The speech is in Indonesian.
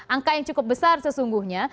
angka yang cukup besar sesungguhnya